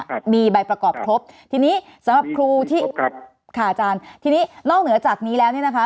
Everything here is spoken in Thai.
ครับมีใบประกอบครบทีนี้สำหรับครูที่ครับค่ะอาจารย์ทีนี้นอกเหนือจากนี้แล้วเนี่ยนะคะ